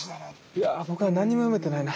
いや僕は何にも読めてないな。